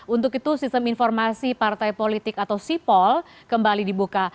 untuk itu sistem informasi partai politik atau sipol kembali dibuka